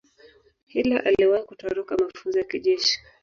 hitler aliwahi kutoroka mafunzo ya kijeshi